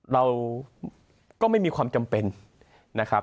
เราก็ไม่มีความจำเป็นนะครับ